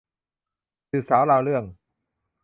สืบสาวราวเรื่อง